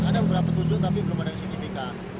ada beberapa petunjuk tapi belum ada yang signifikan